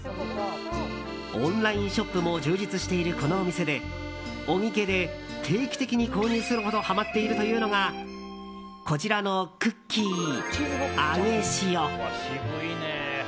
オンラインショップも充実している、このお店で小木家で定期的に購入するほどはまっているというのがこちらのクッキー、あげ潮。